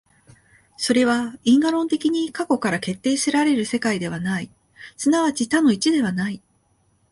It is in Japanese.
それは因果論的に過去から決定せられる世界ではない、即ち多の一ではない。